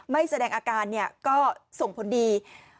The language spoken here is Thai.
แสดงอาการก็ส่งผลดี